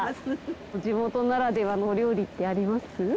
地元ならではの料理ってあります？